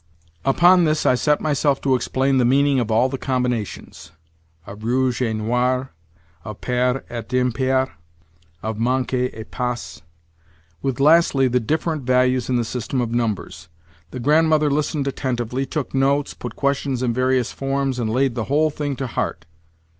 Upon this I set myself to explain the meaning of all the combinations—of "rouge et noir," of "pair et impair," of "manque et passe," with, lastly, the different values in the system of numbers. The Grandmother listened attentively, took notes, put questions in various forms, and laid the whole thing to heart.